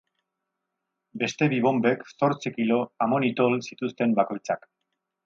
Beste bi bonbek zortzi kilo amonitol zituzten bakoitzak.